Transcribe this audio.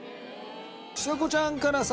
ちさ子ちゃんからさ